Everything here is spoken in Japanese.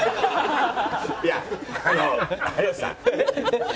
いやあの有吉さん。